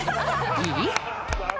いい？